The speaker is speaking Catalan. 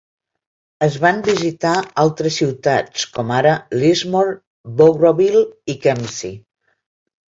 Es van visitar altres ciutats, com ara Lismore, Bowraville i Kempsey.